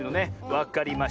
わかりました。